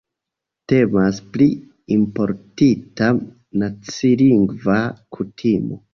Temas pri importita nacilingva kutimo.